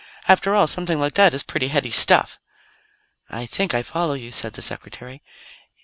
"After all, something like that is pretty heady stuff." "I think I follow you," said the Secretary.